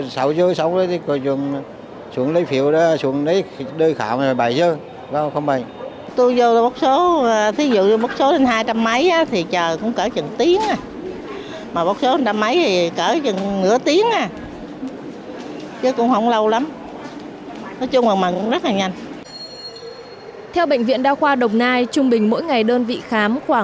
sau khi xếp hàng được nhân viên bệnh viện hướng dẫn lấy số thứ tự